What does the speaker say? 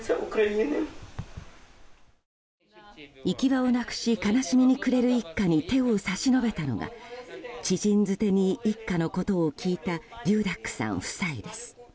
行き場をなくし悲しみに暮れる一家に手を差し伸べたのが知人づてに一家のことを聞いたドューダックさん夫妻です。